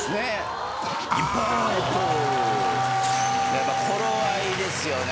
やっぱ頃合いですよね。